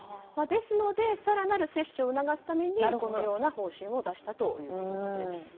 ですので更なる接種を促すためにこのような方針を出したということです。